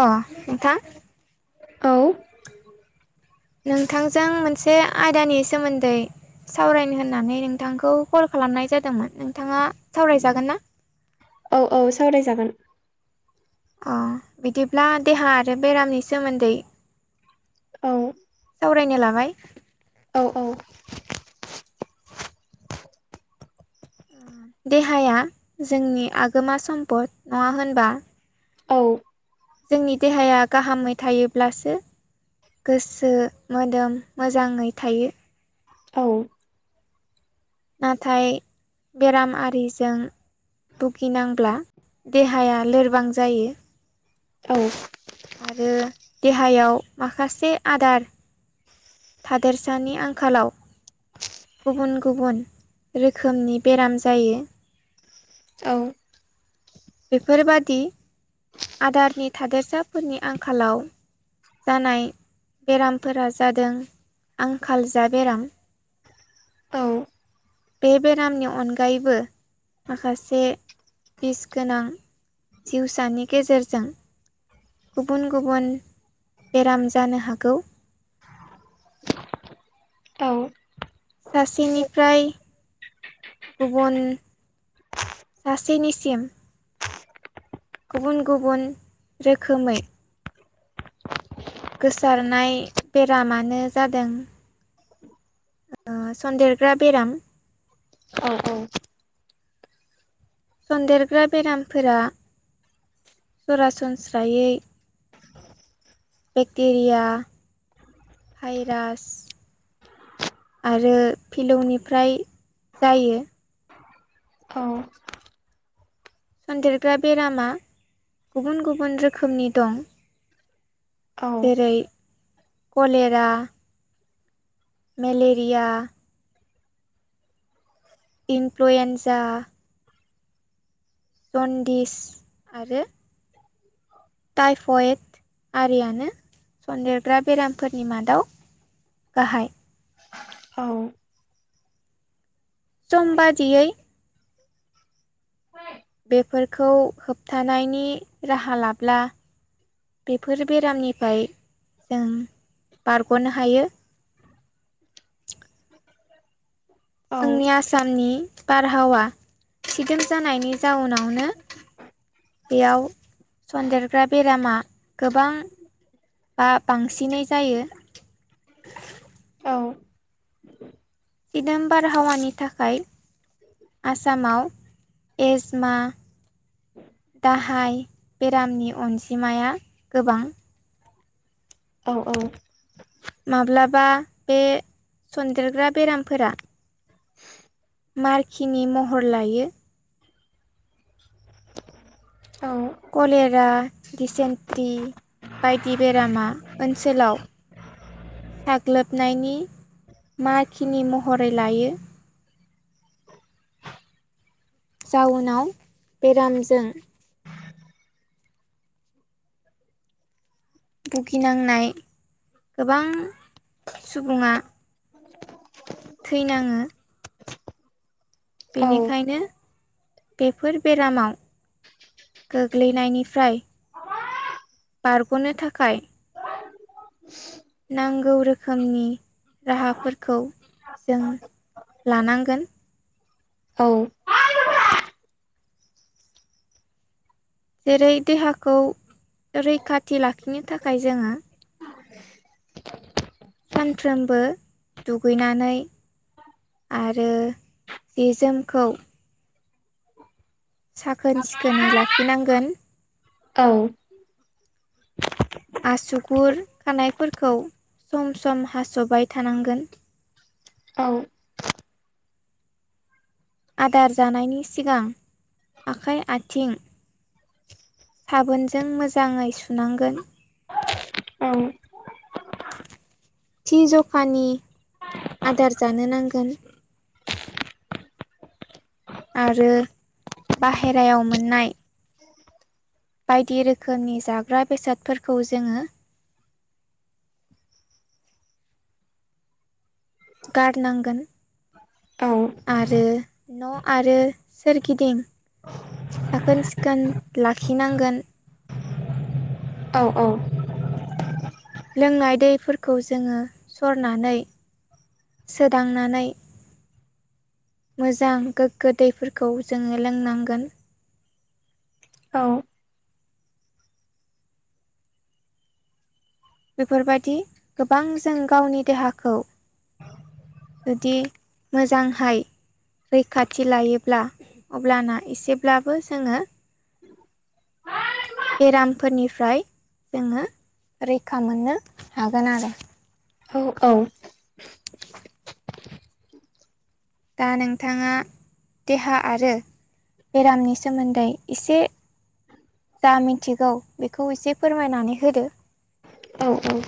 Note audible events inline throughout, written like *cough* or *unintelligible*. अ नोंथां औ। नोंथांजों मोनसे आयदानि सोमोन्दै सावरायनो होननानै नोंथांखौ कल खालामनाय जादोंमोन नोंथाङा सावरायजागोन ना? औ औ सावरायजागोन। अ बिदिब्ला देहा आरो बेरामनि सोमोन्दै औ सावरायनो लाबाय। औ औ। देहाया जोंनि आगोमा सम्पद नङा होनबा? औ जोंनि देहाया गाहामै थायोब्लासो गोसो मोदोम मोजांङै थायो। औ। नाथाय बेराम आरिजों भुगिनांब्ला देहाया लोरबां जायो। औ। आरो देहायाव माखासे आदार थादेरसानि आंखालाव गुबुन गुबुन रोखोमनि बेराम जायो। औ। बेफोरबादि आदारनि थादेरसाफोरनि आंखालाव जानाय बेरामफोरा जादों आंखाल जा बेराम *inaudible* बे बेरामनि अनगायैबो माखासे बिस गोनां जिउसानि गेजेरजों गुबुन गुबुन बेराम जानो हागौ। औउ। सासेनिफ्राय गुबुन सासेनिसिम गुबुन गुबुन रोखोमै गोसारनाय बेरामानो जादों सन्देरग्रा बेराम। औ औ। सन्देरग्रा बेरामफोरा सरासनस्रायै बेक्टेरिया भाइरास आरो फिलौनिफ्राय जायो औ सनदेरग्रा बेरामा गुबुन गुबुन रोखोमनि दं। जेरै कलेरा मेलेरिया इनफ्लुएन्जा जन्दिस आरो टाइफयड आरियानो सनदेरग्रा बेरामफोरनि मादाव गाहाय औ सम बादियै बेफोरखौ होबथानायनि राहा लाब्ला बेफोर बेरामनिफ्राय जों बारग'नो हायो। जोंनि आसामनि बारहावा सिदोम जानायनि जाउनावनो बेयाव सन्देरग्रा बेरामा गोबां बा बांसिनै जायो। औ दिदोम बारहावानि थाखाय आसामाव एजमा दाहाय बेरामनि अनजिमाया गोबां औ औ। माब्लाबा बे सनदेरग्रा बेरामफोरा मारखिनि महर लायो। कलेरा दिसेन्ट्रि बायदि बेरामा ओनसोलाव साग्लोबनायनि माखिनि महरै लायो। जाउनाव बेरामजों भुगिनांनाय गोबां सुबुङा थैनाङो। बेनिखायनो बेफोर बेरामाव गोग्लैनायनिफ्राय बारग'नो थाखाय नांग गौ रोखोमनि राहाफोरखौ जों लानांगोन। औ। जेरै देहाखौ रैखाथि लाखिनो थाखाय जोङो सानफ्रोमबो दुगैनानै आरो बि जोमखौ साखोन सिखोनै लाखिनांगोन। औ। *inaudible* आसुगुर खानायफोरखौ सम सम हास'बाय थानांगोन। आदार जानायनि सिगां आखाइ आथिं साबोनजों मोजाङै सुनांगोन। थि जखानि आदार जानो नांगोन। आरो बाहेरायाव मोननाय बायदि रोखोमनि जाग्रा बेसादफोरखौ जोङो गारनांगोन। आरो न' आरो सोरगिदिं साखोन सिखोन लाखिनांगोन। औ औ। लोंनाय दैफोरखौ जोङो सरनानै सोदांनानै मोजां गोग्गो दैफोरखौ जोङो लोंनांगोन। औ बेफोरबादि गोबां जों गावनि देहाखौ जुदि मोजांहै रैखाथि लायोब्ला अब्लाना एसेब्लाबो जोङो बेरामफोरनिफ्राय जोङो खामोननो हागोन आरो। औ औ। *inaudible* दा नोंथाङा देहा आरो बेरामनि सोमोन्दै एसे जा मिथिगौ बेखौ एसे फोरमायनानै होदो। औ औ।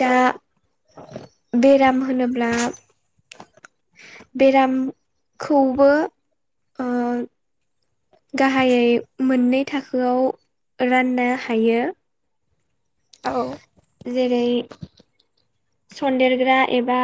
दा बेराम होनोब्ला बेरामखौबो ओ गाहायै मोननै थाखोआव राननो हायो। औ। जेरै सन्देरग्रा एबा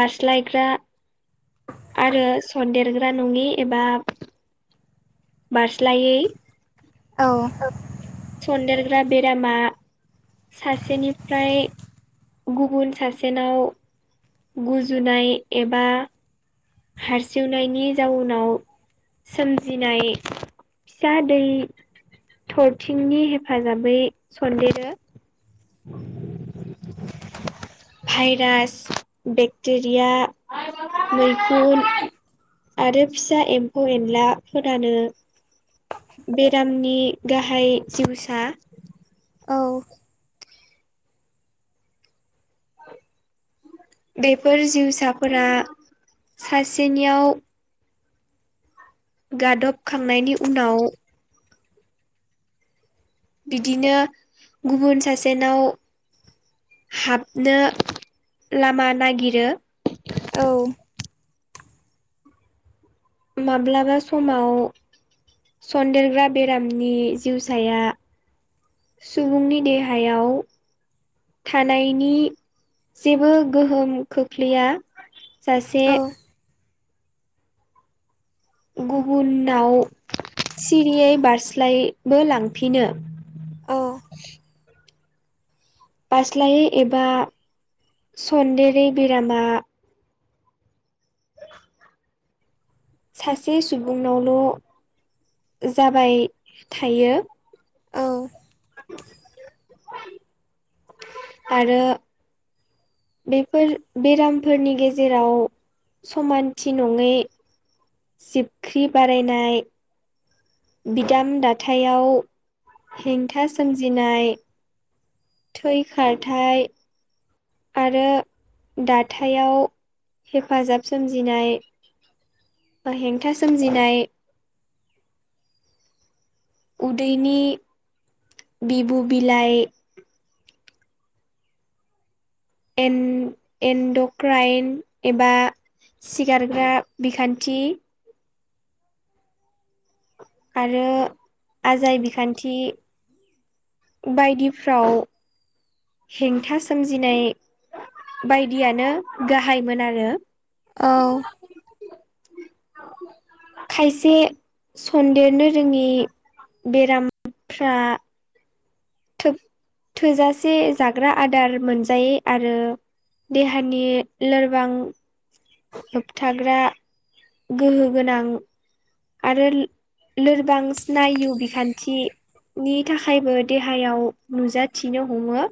बारस्लायग्रा आरो सनदेरग्रा नङि एबा बारस्लायै औ सन्देरग्रा बेरामा सासेनिफ्राय गुबुन सासेनाव गुजुनाय एबा हारसिवनायनि जाउनाव सोमजिनाय फिसा दै थरथिंनि हेफाजाबै सनदेरो। *unintelligible* भाइरास बेक्टेरिया गुन आरो फिसा एम्फौ एनला फोरानो बेरामनि गाहाय जिउसा औ। बेफोर जिउसाफोरा सासेनियाव गादबखांनायनि उनाव बिदिनो गुबुन सासेनाव हाबनो लामा नागिरो औ माब्लाबा समाव सन्देरग्रा बेरामनि जिउसाया सुबुंनि देहायाव थानायनि जेबो गोहोम खोख्लैया जासे औ गुबुननाव सिरियै बारस्लायबो लांफिनो। औ। बास्लायै एबा सन्देरै बेरामा सासे सुबुंनावल' जाबाय थायो। औ आरो बेफोर बेरामफोरनि गेजेराव समानथि नंङै जिबख्रि बारायनाय बिदाम दाथायाव हेंथा सोमजिनाय थै खारथाय आरो दाथायाव हेफाजाब सोमजिनाय बा हेंथा सोमजिनाय उदैनि बिबु बिलाइ एन एन्ड'क्राइन एबा सिगारग्रा बिखान्थि आरो आजाय बिखान्थि बायदिफ्राव हेंथा सोमजिनाय बायदियानो गाहायमोन आरो। औ *inaudible* *inaudible* खायसे सन्देरनो रोङि बेरामफ्रा थोब-थोजासे जाग्रा आदार मोनजायै आरो देहानि लोरबां होबथाग्रा गोहो गोनां आरो लो लोरबां स्निनायु बिखान्थि नि थाखायबो देहायाव नुजाथिनो हमो।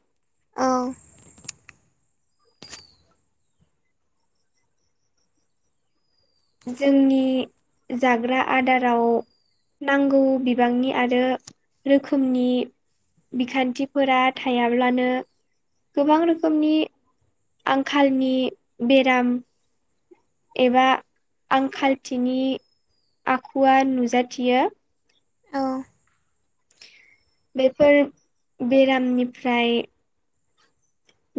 ओं। जोंनि जाग्रा आदाराव नांगौ बिबांनि आरो रोखोमनि बिखान्थिफोरा थायाब्लानो, गोबां रोखोमनि आंखालनि बेराम एबा आंखालथिनि आखुवा नुजाथियो। औ। बेफोर बेरामनिफ्राय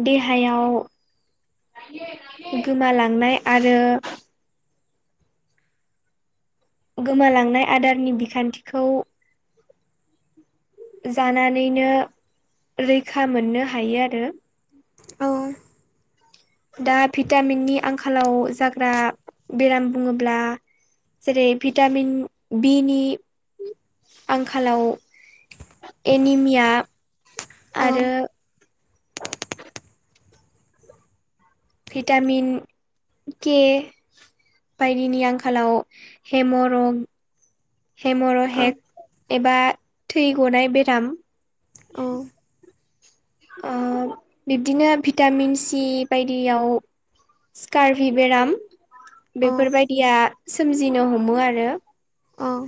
देहायाव गोमालांनाय आरो गोमालांनाय आदारनि बिखान्थिखौ जानानैनो रैखा मोननो हायो आरो। औ। दा भिटामिननि आंखालाव जाग्रा बेराम बुङोब्ला जेरै भिटामिन बिनि आंखालाव एनिमिया आरो भिटामिन के बायदिनि आंखालाव हेमरं हेमर' हेक एबा थै गनाय बेराम। औ। ओ बिब्दिनो भिटामिन सि बायदियाव स्कारभि बेराम औ बेफोरबायदिया सोमजिनो हमो आरो। ओम।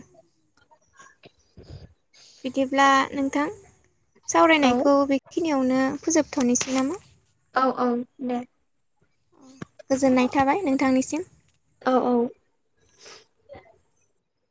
*inaudible* बिदिब्ला नोंथां औ सावरायनायखौ बेखिनियावनो फोजोबथ'नोसै नामा? औ औ दे। गोजोननाय थाबाय नोंथांनिसिम। औ औ।